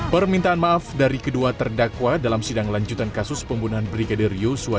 permintaan maaf dari kedua terdakwa dalam sidang lanjutan kasus pembunuhan brigadir yosua